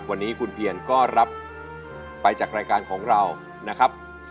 วันนี้คุณเพียนก็รับไปจากรายการของเรานะครับ